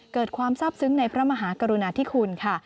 ความทราบซึ้งในพระมหากรุณาธิคุณค่ะ